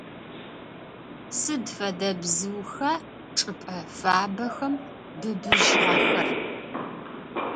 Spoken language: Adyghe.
Сыд фэдэ бзыуха чӏыпӏэ фабэхэм быбыжьыгъэхэр?